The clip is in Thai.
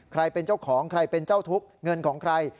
ใครเป็นเจ้าของใครเป็นเจ้าทุกข์เงินของใคร